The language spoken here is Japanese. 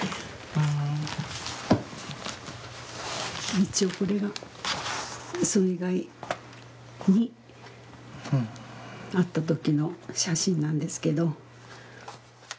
一応、これが水害に遭ったときの写真なんですけど。